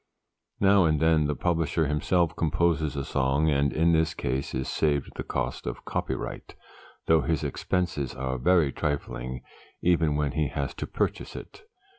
Now and then the publisher himself composes a song, and in this case is saved the cost of copyright, though his expenses are very trifling, even when he has to purchase it.